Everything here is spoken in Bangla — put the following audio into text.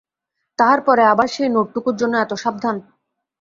তাহার পরে আবার এই নোটটুকুর জন্য এত সাবধান!